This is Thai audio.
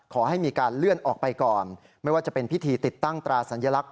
ขอให้มีการเลื่อนออกไปก่อนไม่ว่าจะเป็นพิธีติดตั้งตราสัญลักษณ